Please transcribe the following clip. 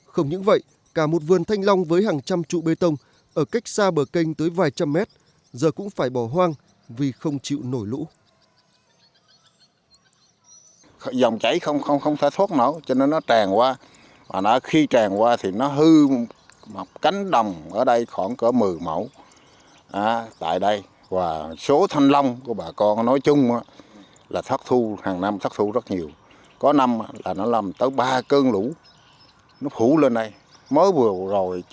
không những vậy cả một vườn thanh long với hàng trăm trụ bê tông ở cách xa bờ canh tới vài trăm mét